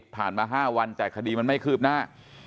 มา๕วันแต่คดีมันไม่คืบหน้า